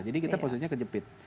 jadi kita posisinya kejepit